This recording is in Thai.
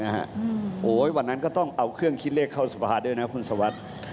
โอ้โหวันนั้นก็ต้องเอาเครื่องคิดเลขเข้าสภาด้วยนะคุณสวัสดิ์